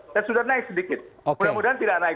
dan sudah naik sedikit mudah mudahan tidak naik